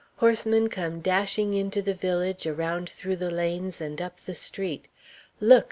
Horsemen come dashing into the village around through the lanes and up the street. Look!